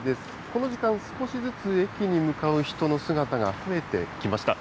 この時間、少しずつ駅に向かう人の姿が増えてきました。